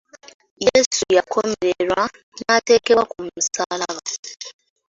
Yesu yakomererwa n’ateekebwa ku musaalaba.